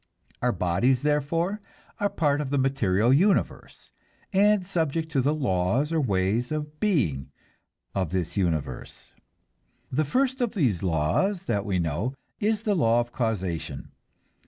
Our bodies, therefore, are part of the material universe, and subject to the laws or ways of being of this universe. The first of these laws that we know is the law of causation.